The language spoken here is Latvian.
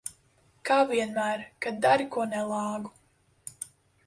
Kā vienmēr, kad dari ko nelāgu.